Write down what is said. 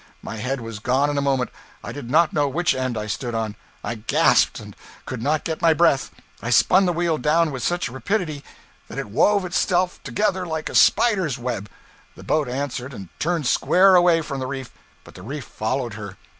My head was gone in a moment; I did not know which end I stood on; I gasped and could not get my breath; I spun the wheel down with such rapidity that it wove itself together like a spider's web; the boat answered and turned square away from the reef, but the reef followed her!